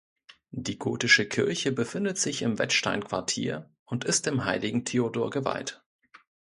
Die gotische Kirche befindet sich im Wettstein-Quartier und ist dem heiligen Theodor geweiht.